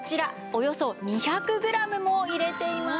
およそ２００グラムも入れています！